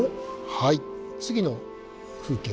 はい次の風景。